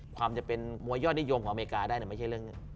ความจะเป็นมวยยอดนิยมของอเมริกาได้ไม่ใช่เรื่อง